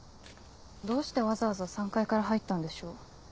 どうしてわざわざ３階から入ったんでしょう？